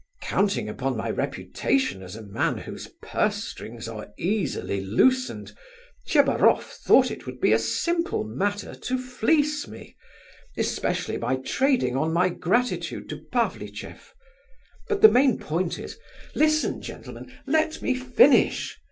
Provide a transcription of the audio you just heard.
Counting upon my reputation as a man whose purse strings are easily loosened, Tchebaroff thought it would be a simple matter to fleece me, especially by trading on my gratitude to Pavlicheff. But the main point is—listen, gentlemen, let me finish!